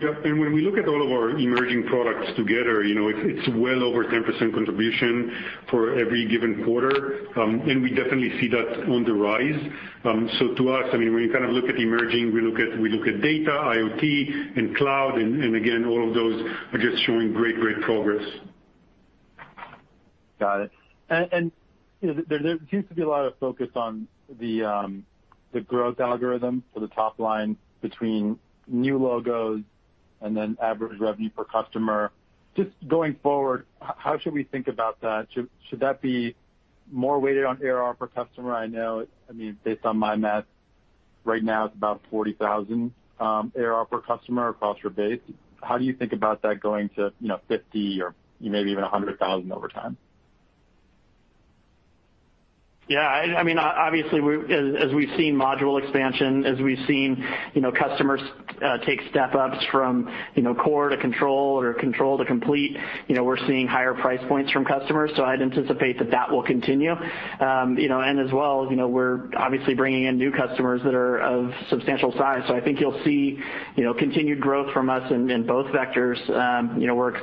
Yeah. When we look at all of our emerging products together, you know, it's well over 10% contribution for every given quarter. We definitely see that on the rise. To us, I mean, when you kind of look at emerging, we look at data, IoT, and cloud, and again, all of those are just showing great progress. Got it. You know, there seems to be a lot of focus on the growth algorithm for the top line between new logos and then average revenue per customer. Just going forward, how should we think about that? Should that be more weighted on ARR per customer? I know, I mean, based on my math, right now it's about $40,000 ARR per customer across your base. How do you think about that going to, you know, $50 or maybe even $100,000 over time? Yeah, I mean, obviously, as we've seen module expansion, you know, customers take step-ups from, you know, core to control or control to complete, you know, we're seeing higher price points from customers. So I'd anticipate that will continue. You know, we're obviously bringing in new customers that are of substantial size. So I think you'll see, you know, continued growth from us in both vectors. You know, we're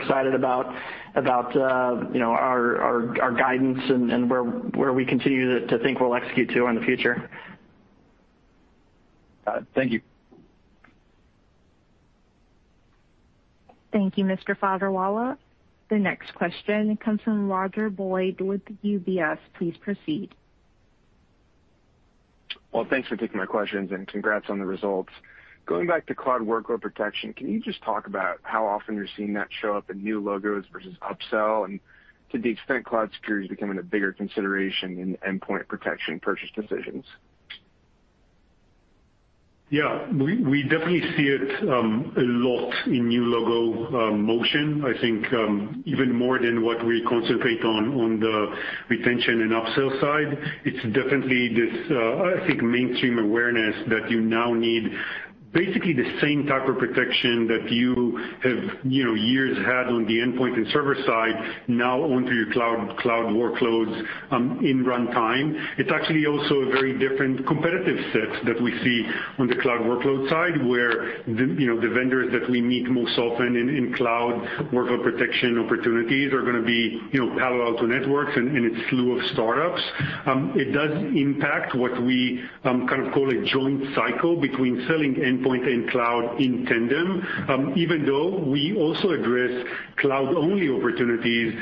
excited about our guidance and where we continue to think we'll execute to in the future. Thank you. Thank you, Mr. Fodderwala. The next question comes from Roger Boyd with UBS. Please proceed. Well, thanks for taking my questions, and congrats on the results. Going back to Cloud Workload Protection, can you just talk about how often you're seeing that show up in new logos versus upsell? To the extent cloud security is becoming a bigger consideration in endpoint protection purchase decisions. Yeah. We definitely see it a lot in new logo motion. I think even more than what we concentrate on the retention and upsell side. It's definitely this, I think, mainstream awareness that you now need basically the same type of protection that you've had, you know, on the endpoint and server side now onto your cloud workloads in runtime. It's actually also a very different competitive set that we see on the cloud workload side, where, you know, the vendors that we meet most often in Cloud Workload Protection opportunities are gonna be, you know, Palo Alto Networks and its slew of startups. It does impact what we kind of call a joint cycle between selling endpoint and cloud in tandem. Even though we also address cloud-only opportunities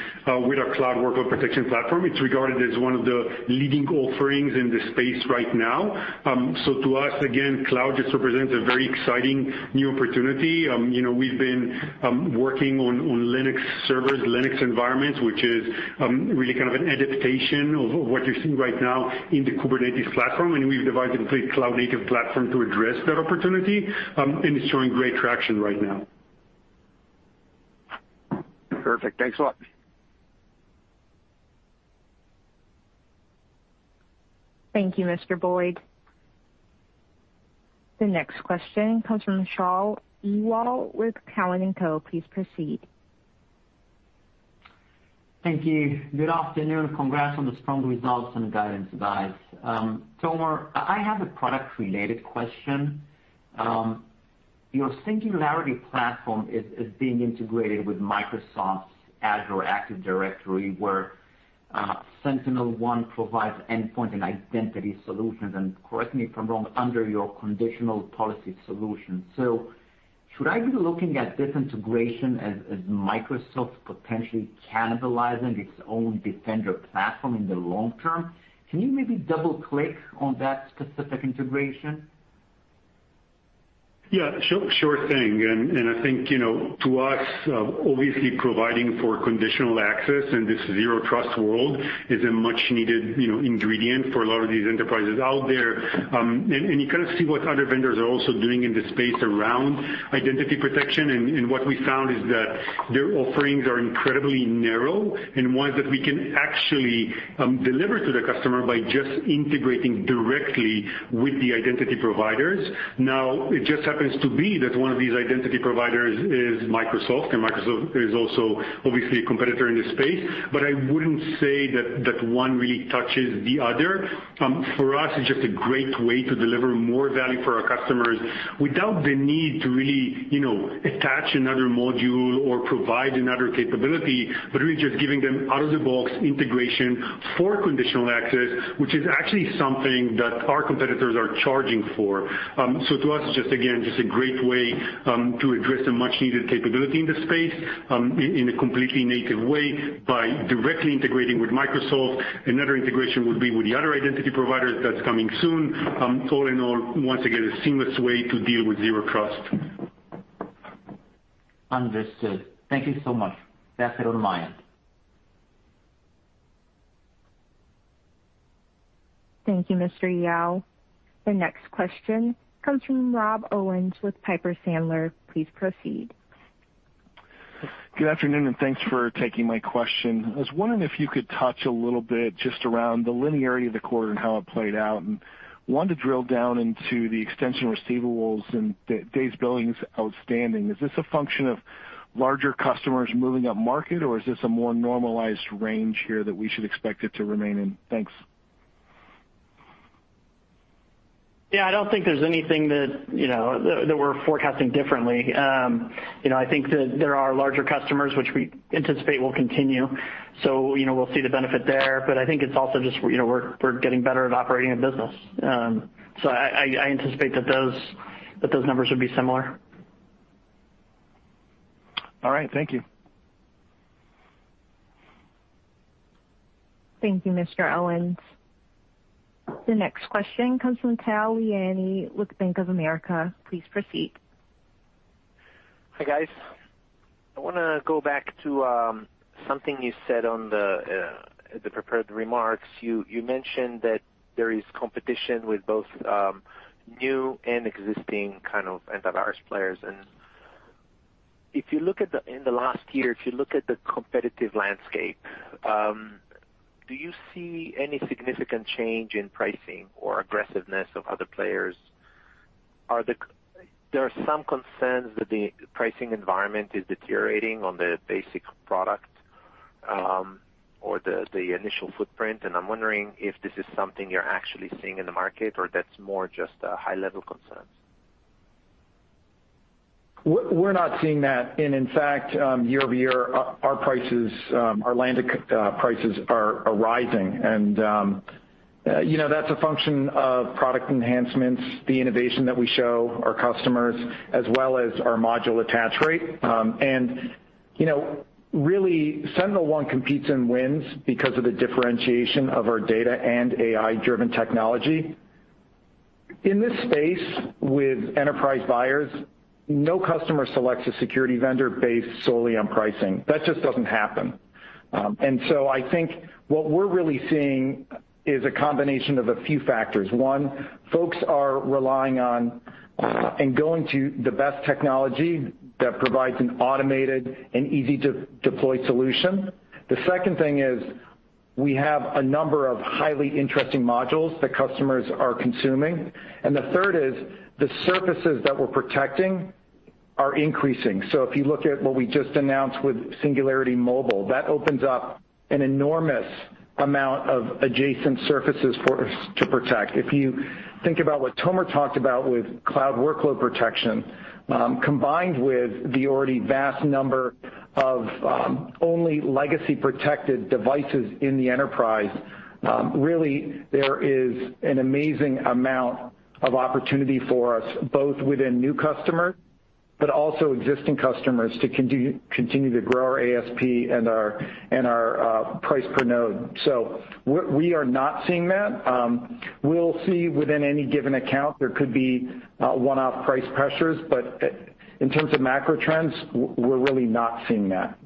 with our Cloud Workload Protection platform, it's regarded as one of the leading offerings in this space right now. So to us, again, cloud just represents a very exciting new opportunity. You know, we've been working on Linux servers, Linux environments, which is really kind of an adaptation of what you're seeing right now in the Kubernetes platform, and we've devised a complete cloud-native platform to address that opportunity, and it's showing great traction right now. Perfect. Thanks a lot. Thank you, Mr. Boyd. The next question comes from Shaul Eyal with Cowen and Company. Please proceed. Thank you. Good afternoon. Congrats on the strong results and guidance, guys. Tomer, I have a product-related question. Your Singularity platform is being integrated with Microsoft's Azure Active Directory, where SentinelOne provides endpoint and identity solutions, and correct me if I'm wrong, under your conditional policy solution. Should I be looking at this integration as Microsoft potentially cannibalizing its own Defender platform in the long term? Can you maybe double-click on that specific integration? Yeah, sure thing. I think, you know, to us, obviously providing for conditional access in this zero trust world is a much needed, you know, ingredient for a lot of these enterprises out there. You kind of see what other vendors are also doing in this space around identity protection. What we found is that their offerings are incredibly narrow and ones that we can actually deliver to the customer by just integrating directly with the identity providers. Now, it just happens to be that one of these identity providers is Microsoft, and Microsoft is also obviously a competitor in this space. I wouldn't say that one really touches the other. For us, it's just a great way to deliver more value for our customers without the need to really, you know, attach another module or provide another capability, but really just giving them out-of-the-box integration for conditional access, which is actually something that our competitors are charging for. So to us, it's just, again, just a great way to address a much needed capability in this space, in a completely native way by directly integrating with Microsoft. Another integration would be with the other identity providers. That's coming soon. All in all, once again, a seamless way to deal with zero trust. Understood. Thank you so much. That's it on my end. Thank you, Mr. Eyal. The next question comes from Rob Owens with Piper Sandler. Please proceed. Good afternoon, and thanks for taking my question. I was wondering if you could touch a little bit just around the linearity of the quarter and how it played out, and wanted to drill down into the extension receivables and the days billings outstanding. Is this a function of larger customers moving up market, or is this a more normalized range here that we should expect it to remain in? Thanks. Yeah, I don't think there's anything that, you know, we're forecasting differently. You know, I think that there are larger customers which we anticipate will continue, so, you know, we'll see the benefit there. But I think it's also just, you know, we're getting better at operating a business. So I anticipate that those numbers would be similar. All right, thank you. Thank you, Mr. Owens. The next question comes from Tal Liani with Bank of America. Please proceed. Hi, guys. I wanna go back to something you said on the prepared remarks. You mentioned that there is competition with both new and existing kind of antivirus players and In the last year, if you look at the competitive landscape, do you see any significant change in pricing or aggressiveness of other players? There are some concerns that the pricing environment is deteriorating on the basic product, or the initial footprint, and I'm wondering if this is something you're actually seeing in the market or that's more just a high level concerns. We're not seeing that. In fact, year-over-year, our landed prices are rising. You know, that's a function of product enhancements, the innovation that we show our customers as well as our module attach rate. You know, really SentinelOne competes and wins because of the differentiation of our data and AI-driven technology. In this space with enterprise buyers, no customer selects a security vendor based solely on pricing. That just doesn't happen. I think what we're really seeing is a combination of a few factors. One, folks are relying on and going to the best technology that provides an automated and easy to deploy solution. The second thing is we have a number of highly interesting modules that customers are consuming. The third is the surfaces that we're protecting are increasing. If you look at what we just announced with Singularity Mobile, that opens up an enormous amount of adjacent surfaces for us to protect. If you think about what Tomer talked about with Cloud Workload Protection, combined with the already vast number of only legacy protected devices in the enterprise, really there is an amazing amount of opportunity for us, both within new customers but also existing customers to continue to grow our ASP and our price per node. We are not seeing that. We'll see within any given account there could be one-off price pressures, but in terms of macro trends, we're really not seeing that.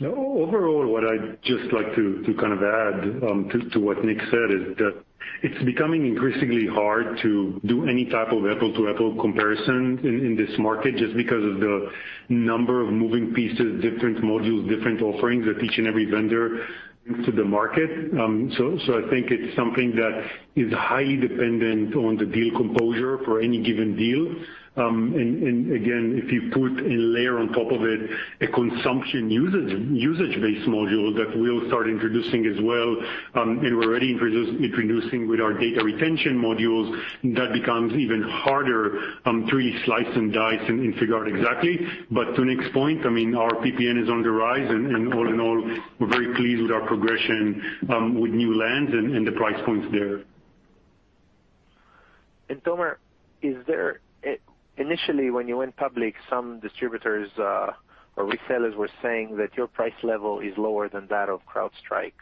No. Overall, what I'd just like to kind of add to what Nick said is that it's becoming increasingly hard to do any type of apple to apple comparison in this market just because of the number of moving pieces, different modules, different offerings that each and every vendor brings to the market. I think it's something that is highly dependent on the deal composition for any given deal. Again, if you put a layer on top of it, a consumption usage-based module that we'll start introducing as well, and we're already introducing with our data retention modules, that becomes even harder to really slice and dice and figure out exactly. To Nick's point, I mean, our PPN is on the rise, and all in all, we're very pleased with our progression with new lands and the price points there. Tomer, initially, when you went public, some distributors or resellers were saying that your price level is lower than that of CrowdStrike.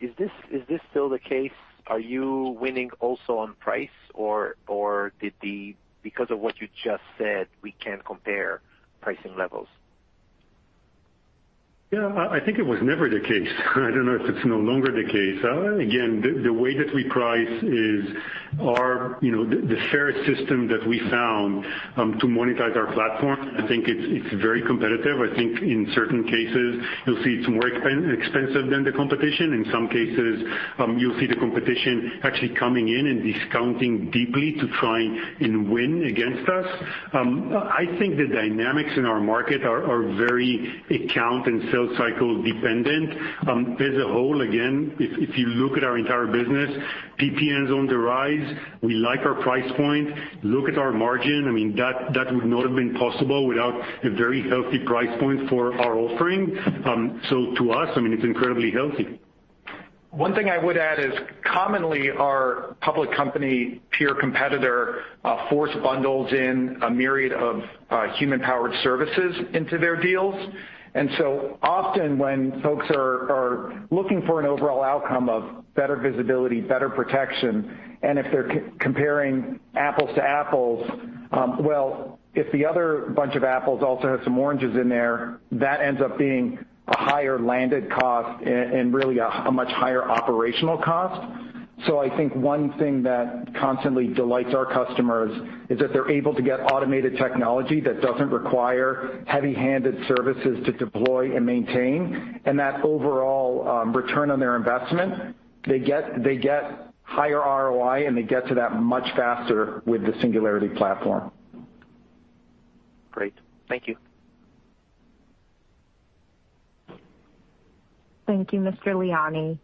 Is this still the case? Are you winning also on price or because of what you just said we can't compare pricing levels? Yeah. I think it was never the case. I don't know if it's no longer the case. Again, the way that we price is our you know, the fairest system that we found to monetize our platform. I think it's very competitive. I think in certain cases you'll see it's more expensive than the competition. In some cases, you'll see the competition actually coming in and discounting deeply to try and win against us. I think the dynamics in our market are very account and sales cycle dependent. As a whole, again, if you look at our entire business, PPN is on the rise. We like our price point. Look at our margin. I mean, that would not have been possible without a very healthy price point for our offering. To us, I mean, it's incredibly healthy. One thing I would add is commonly our public company peer competitor forcibly bundles in a myriad of human-powered services into their deals. Often when folks are looking for an overall outcome of better visibility, better protection, and if they're comparing apples to apples, well, if the other bunch of apples also have some oranges in there, that ends up being a higher landed cost and really a much higher operational cost. I think one thing that constantly delights our customers is that they're able to get automated technology that doesn't require heavy-handed services to deploy and maintain, and that overall return on their investment, they get higher ROI, and they get to that much faster with the Singularity Platform. Great. Thank you. Thank you, Mr. Liani.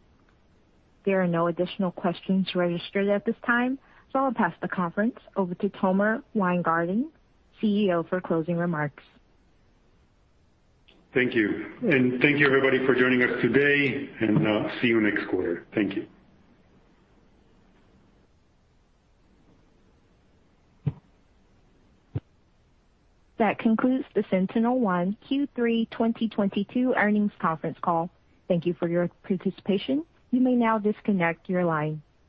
There are no additional questions registered at this time. I'll pass the conference over to Tomer Weingarten, CEO, for closing remarks. Thank you. Thank you everybody for joining us today, and I'll see you next quarter. Thank you. That concludes the SentinelOne Q3 2022 earnings conference call. Thank you for your participation. You may now disconnect your line.